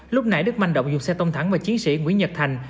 lúc nãy đức manh động dùng xe tông thẳng và chiến sĩ nguyễn nhật thành